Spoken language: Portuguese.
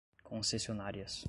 concessionárias